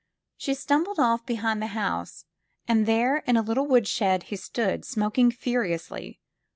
She stumbled off behind the house, and there in a lit tle woodshed he stood, smoking furiously.